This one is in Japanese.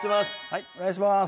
はいお願いします